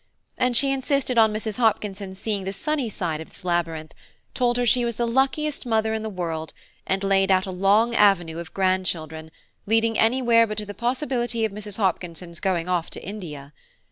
And she insisted on Mrs. Hopkinson's seeing the sunny side of this labyrinth, told her she was the luckiest mother in the world, and laid out a long avenue of grandchildren, leading anywhere but to the possibility of Mrs. Hopkinson's going off to India.